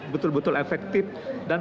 betul betul efektif dan